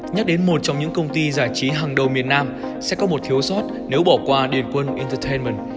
nhắc đến một trong những công ty giải trí hàng đầu miền nam sẽ có một thiếu sót nếu bỏ qua điền quân intertamen